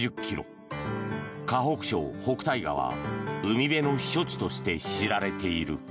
河南省北戴河は海辺の避暑地として知られている。